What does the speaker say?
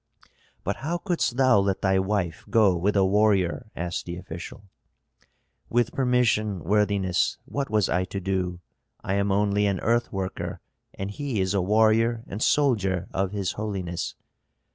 "But how couldst thou let thy wife go with a warrior?" asked the official. "With permission, worthiness, what was I to do? I am only an earth worker, and he is a warrior and soldier of his holiness."